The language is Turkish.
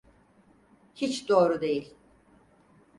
Hiç doğru değil.